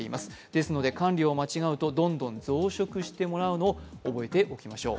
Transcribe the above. ですので、管理を間違うとどんどん増殖してしまうのを覚えておきましょう。